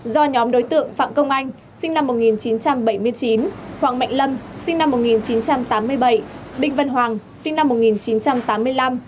do nhóm đối tượng phạm công anh sinh năm một nghìn chín trăm bảy mươi chín hoàng mạnh lâm sinh năm một nghìn chín trăm tám mươi bảy đinh văn hoàng sinh năm một nghìn chín trăm tám mươi năm